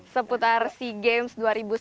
seputar sea games dua ribu sembilan belas